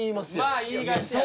まあ言いがちやな。